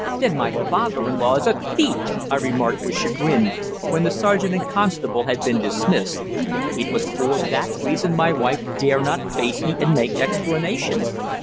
"Then my father in law is a thief!" I remarked, with chagrin, when the sergeant and constable had been dismissed. "It was for that reason my wife dare not face me and make explanation!"